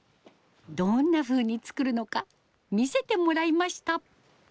どんなふうに作るのか見せてもらいました。